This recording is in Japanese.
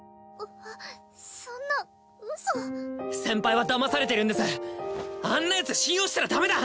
そんなウソ先輩はだまされているんですあんなやつ信用したらダメだ！